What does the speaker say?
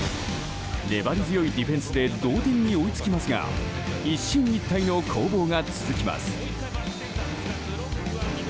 粘り強いディフェンスで同点に追いつきますが一進一退の攻防が続きます。